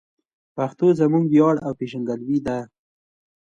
پښتو زموږ ویاړ او پېژندګلوي ده.